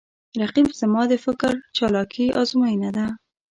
رقیب زما د فکر چالاکي آزموینه ده